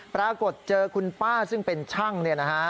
ปรากฏเจอคุณป้าซึ่งเป็นช่างเนี่ยนะฮะ